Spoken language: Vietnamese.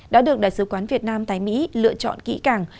đã được đại sứ quán việt nam tại mỹ lựa chọn kỹ càng